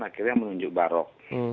akhirnya menunjuk barok